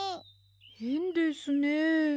へんですねえ。